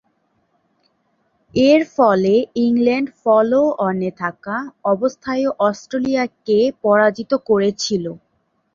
এরফলে ইংল্যান্ড ফলো-অনে থাকা অবস্থায়ও অস্ট্রেলিয়াকে পরাজিত করেছিল।